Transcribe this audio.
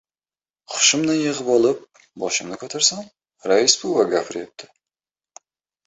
Hushimni yig‘ib olib, boshimni ko‘tarsam, Rais buva gapiryapti.